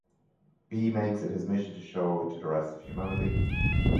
B makes it his mission to show it to the rest of humanity.